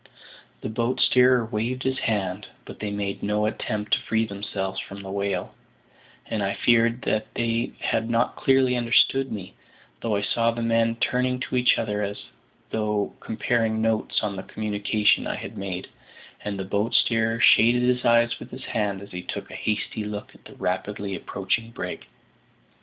The boat steerer waved his hand, but they made no attempt to free themselves from the whale, and I feared they had not clearly understood me; though I saw the men turning to each other as though comparing notes on the communication I had made, and the boat steerer shaded his eyes with his hand as he took a hasty look at the rapidly approaching brig.